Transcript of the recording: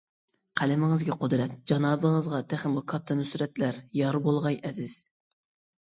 قەلىمىڭىزگە قۇدرەت، جانابىڭىزغا تېخىمۇ كاتتا نۇسرەتلەر يار بولغاي ئەزىز.